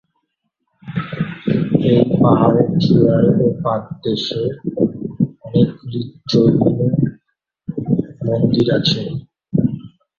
এই পাহাড়ের চূড়ায় ও পাদদেশে অনেকগুলি জৈন মন্দিরআছে।